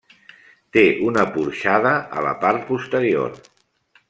Té una porxada a la part posterior.